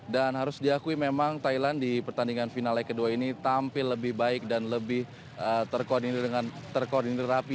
dan harus diakui memang thailand di pertandingan final lag kedua ini tampil lebih baik dan lebih terkoordinir rapi